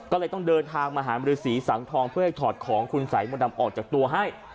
ก็เลยต้องเดินทางมาหามรือศรีสังทองเพื่อให้ถอดของคุณสายมนต์ดำออกจากตัวให้